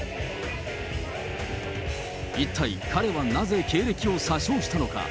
一体、彼はなぜ経歴を詐称したのか。